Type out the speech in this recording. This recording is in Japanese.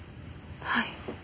はい。